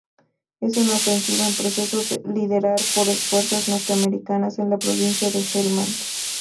Es una ofensiva en proceso, liderada por fuerzas norteamericanas en la provincia de Helmand.